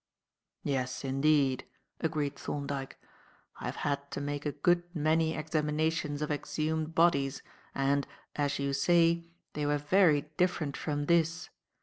"Yes, indeed," agreed Thorndyke; "I have had to make a good many examinations of exhumed bodies, and, as you say, they were very different from this.